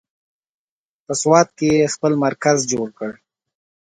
په سوات کې یې خپل مرکز جوړ کړ.